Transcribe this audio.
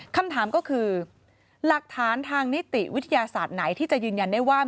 คำถามก็คือหลักฐานทางนิติวิทยาศาสตร์ไหนที่จะยืนยันได้ว่า